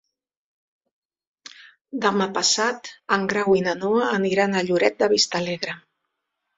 Demà passat en Grau i na Noa aniran a Lloret de Vistalegre.